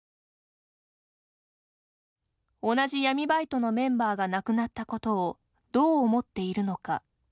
同じ闇バイトのメンバーが亡くなったことをどう思っているのか。